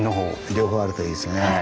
両方あるといいですね。